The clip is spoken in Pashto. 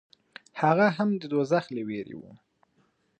هغه هم د دوزخ له وېرې و.